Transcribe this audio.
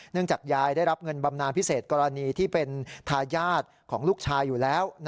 จากยายได้รับเงินบำนานพิเศษกรณีที่เป็นทายาทของลูกชายอยู่แล้ว